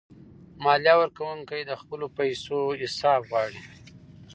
مالیه ورکونکي د خپلو پیسو حساب غواړي.